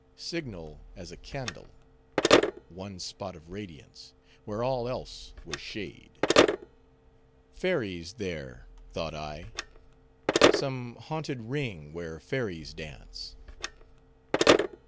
Signal as a candle. One spot of radiance, where all else was shade. Fairies there, thought I; some haunted ring where fairies dance.